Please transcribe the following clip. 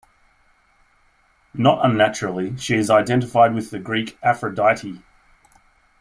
Not unnaturally she is identified with the Greek Aphrodite.